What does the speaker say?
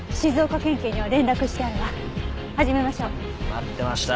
待ってました。